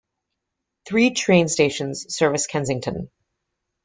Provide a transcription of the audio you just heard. Three train stations service Kensington.